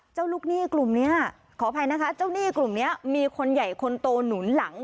ลูกหนี้กลุ่มนี้ขออภัยนะคะเจ้าหนี้กลุ่มนี้มีคนใหญ่คนโตหนุนหลัง